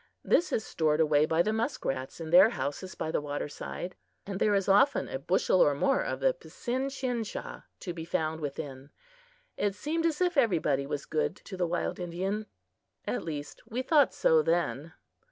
This is stored away by the muskrats in their houses by the waterside, and there is often a bushel or more of the psinchinchah to be found within. It seemed as if everybody was good to the wild Indian; at least we thought so then.